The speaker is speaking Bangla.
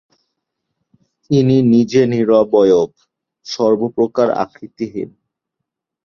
ইনি নিজে নিরবয়ব, সর্বপ্রকার আকৃতিহীন।